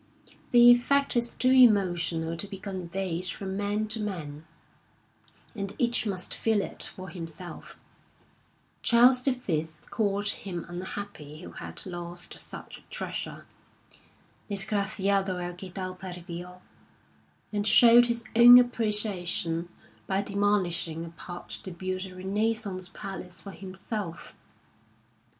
The effect is too emotional to be conveyed from man to man, and each must feel it for himself. Charles V. called him unhappy who had lost such treasure ŌĆö desgradado el que ial perdio ŌĆö and showed his own appreciation by demolishing a part to build a Renaissance palace for himself!